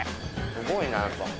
すごいなやっぱ。